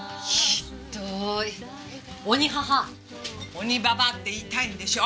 鬼ババって言いたいんでしょ！